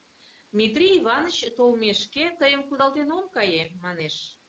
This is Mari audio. «Митрий Иваныч толмешке, тыйым кудалтен ом кае», — манеш.